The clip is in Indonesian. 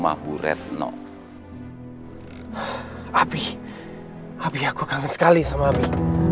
abi aku kangen sekali sama abi